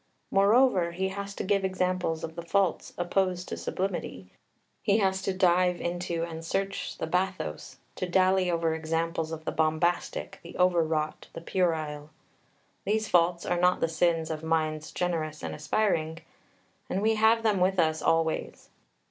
Moreover, he has to give examples of the faults opposed to sublimity, he has to dive into and search the bathos, to dally over examples of the bombastic, the over wrought, the puerile. These faults are not the sins of "minds generous and aspiring," and we have them with us always.